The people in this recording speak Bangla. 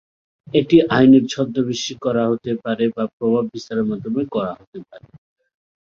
এটি আইনের ছদ্মবেশে করা হতে পারে বা প্রভাব বিস্তারের মাধ্যমে করা হতে পারে।